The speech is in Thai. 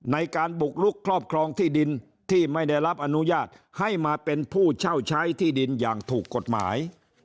ในการบุกลุกครอบครองที่ดินที่ไม่ได้รับอนุญาตให้มาเป็นผู้เช่าใช้ที่ดินอย่างถูกกฎหมาย